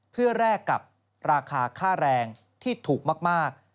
เพื่อแลกกับราคาค่าแรงที่ถูกมาก